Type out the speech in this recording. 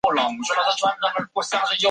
他生于古希腊萨摩斯岛。